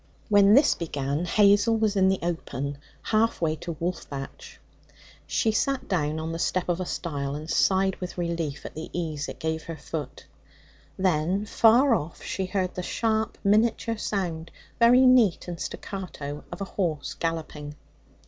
When this began, Hazel was in the open, half way to Wolfbatch. She sat down on the step of a stile, and sighed with relief at the ease it gave her foot. Then, far off she heard the sharp miniature sound, very neat and staccato, of a horse galloping.